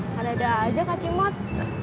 tadah aja kak cimot